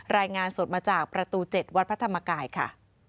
รายงานสดมาจากประตู๗วัดพระธรรมกายค่ะ